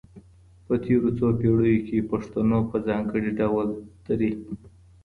په تيرو څو پيړیو کي، پښتنو په ځانګړي ډول دري